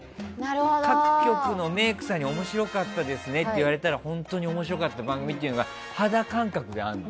各局のメイクさんに面白かったですねって言われたら本当に面白いっていうのが肌感覚であるの。